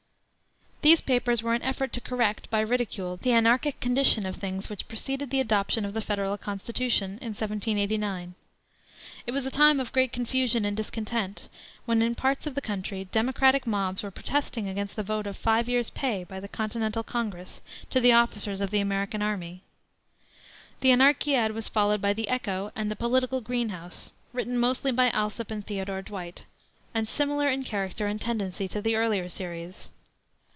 These papers were an effort to correct, by ridicule, the anarchic condition of things which preceded the adoption of the Federal Constitution in 1789. It was a time of great confusion and discontent, when, in parts of the country, Democratic mobs were protesting against the vote of five years' pay by the Continental Congress to the officers of the American army. The Anarchiad was followed by the Echo and the Political Green House, written mostly by Alsop and Theodore Dwight, and similar in character and tendency to the earlier series.